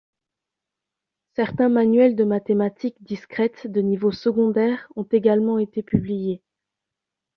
Certains manuels de mathématiques discrètes de niveau secondaire ont également été publiés.